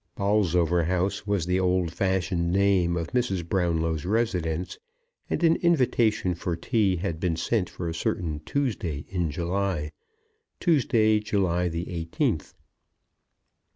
Bolsover House was the old fashioned name of Mrs. Brownlow's residence; and an invitation for tea had been sent for a certain Tuesday in July, Tuesday, July the 18th.